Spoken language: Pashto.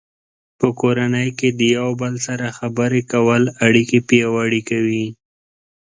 په کورنۍ کې د یو بل سره خبرې کول اړیکې پیاوړې کوي.